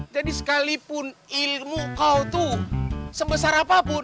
jadi sekalipun ilmu kau itu sebesar apapun